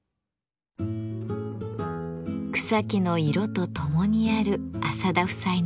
草木の色とともにある浅田夫妻の暮らし。